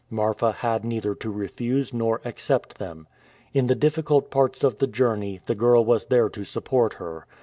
Marfa had neither to refuse nor accept them. In the difficult parts of the journey, the girl was there to support her.